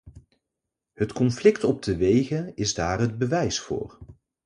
Het conflict op de wegen is daar het bewijs voor.